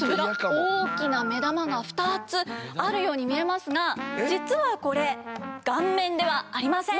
大きな目玉が２つあるように見えますが実はこれ顔面ではありません。